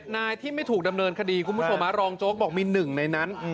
นายที่ไม่ถูกดำเนินคดีคุณผู้ชมรองโจ๊กบอกมีหนึ่งในนั้น